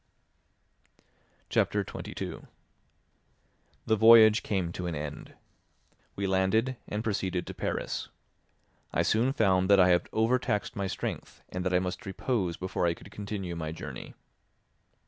Chapter 22 The voyage came to an end. We landed, and proceeded to Paris. I soon found that I had overtaxed my strength and that I must repose before I could continue my journey.